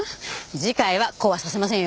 次回はこうはさせませんよ。